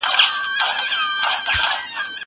کار د ډلې لخوا ترسره کېږي!!